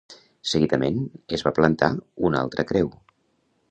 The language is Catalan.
Seguidament es va plantar una altra creu.